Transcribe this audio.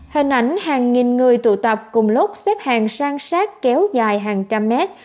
hình ảnh hàng nghìn người tụ tập cùng lúc xếp hàng sang sát kéo dài hàng trăm mét